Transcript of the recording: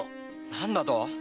何だと？